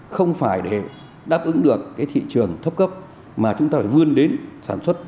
không phải để đáp ứng được cái thị trường thấp cấp mà chúng ta phải vươn đến sản xuất